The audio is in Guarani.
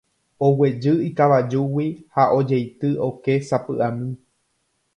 Oguejy ikavajúgui ha ojeity oke sapy'ami.